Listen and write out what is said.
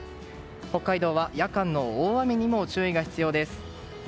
北海道は夜間の大雨にも注意が必要です。